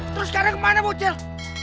terus sekarang kemana bocel